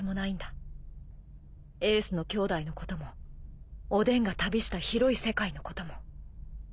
エースの兄弟のこともおでんが旅した広い世界のことも。